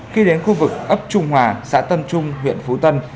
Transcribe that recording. khi đến khu vực ấp trung hòa xã tân trung huyện phú tân